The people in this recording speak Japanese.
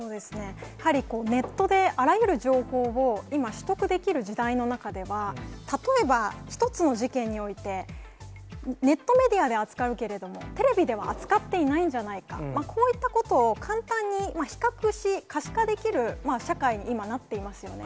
やはりネットであらゆる情報を今、取得できる時代の中では、例えば一つの事件においてネットメディアで扱うけれども、テレビでは扱っていないんじゃないか、こういったことを簡単に比較し、可視化できる社会に今、なっていますよね。